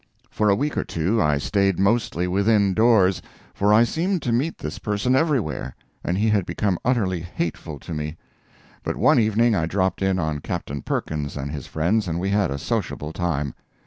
For a week or two I stayed mostly within doors, for I seemed to meet this person everywhere, and he had become utterly hateful to me. But one evening I dropped in on Captain Perkins and his friends, and we had a sociable time.